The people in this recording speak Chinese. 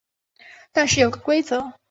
但是有个规则